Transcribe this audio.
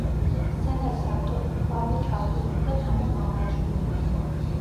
სცენარის ავტორები პავლე ჩარკვიანი და თამაზ მამულაშვილი არიან.